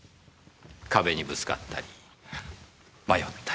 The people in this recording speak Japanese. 壁にぶつかったり迷ったり。